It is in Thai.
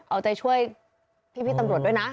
เอาใจช่วยพี่ตำรวจด้วยนะ